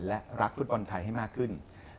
และรักฟุตบอลไทยให้มากขึ้น